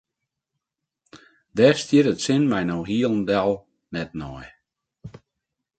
Dêr stiet it sin my no hielendal net nei.